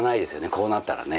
こうなったらね。